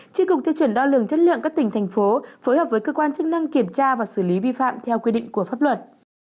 tri cục tiêu chuẩn đo lường chất lượng các tỉnh thành phố phối hợp với cơ quan chức năng kiểm tra và xử lý vi phạm theo quy định của pháp luật